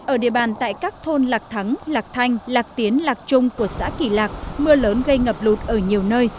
ở địa bàn tại các thôn lạc thắng lạc thanh lạc tiến lạc trung của xã kỳ lạc mưa lớn gây ngập lụt ở nhiều nơi